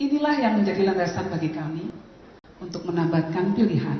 inilah yang menjadi landasan bagi kami untuk menambahkan pilihan